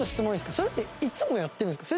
それっていつもやってるんですか？